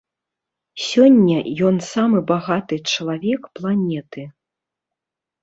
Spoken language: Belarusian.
Сёння ён самы багаты чалавек планеты.